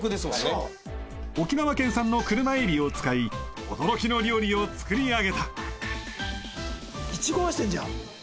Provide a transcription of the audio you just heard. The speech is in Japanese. そう沖縄県産の車エビを使い驚きの料理を作り上げたイチゴ出してんじゃん